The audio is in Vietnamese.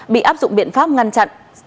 bị áp dụng biện pháp ngăn chặn cấm xuất ngập cảnh